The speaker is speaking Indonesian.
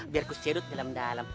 biar aku serut dalam dalam